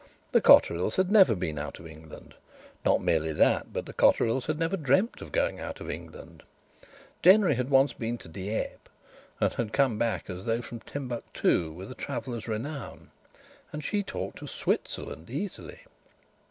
The Cotterills had never been out of England. Not merely that, but the Cotterills had never dreamt of going out of England. Denry had once been to Dieppe, and had come back as though from Timbuctoo with a traveller's renown. And she talked of Switzerland easily!